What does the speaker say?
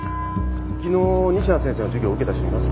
昨日西名先生の授業受けた人います？